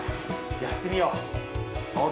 やってみよう。